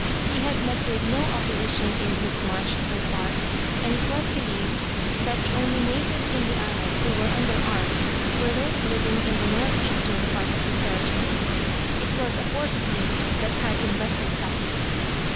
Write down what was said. He had met with no opposition in his march, so far, and it was believed that the only natives on the island who were under arms were those living in the northeastern part of the territory. It was a force of these that had invested Capiz.